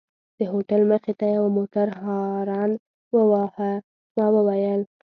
د هوټل مخې ته یوه موټر هارن وواهه، ما وویل.